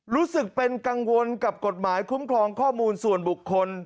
รู้สึกเป็นกังวลกับกฎหมายคุ้มครองข้อมูลส่วนบุคคล